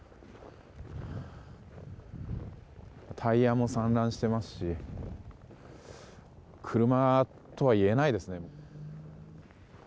タイヤも散乱していますし車とは言えないですね。